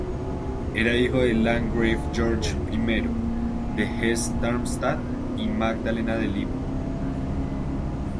Era hijo del landgrave Jorge I de Hesse-Darmstadt y Magdalena de Lippe.